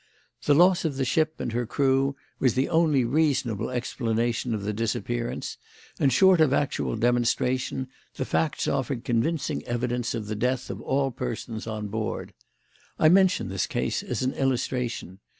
The loss of the ship and her crew was the only reasonable explanation of the disappearance, and, short of actual demonstration, the facts offered convincing evidence of the death of all persons on board. I mention this case as an illustration.